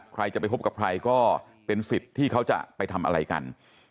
ใครจะไปพบกับใครก็เป็นสิทธิ์ที่เขาจะไปทำอะไรกัน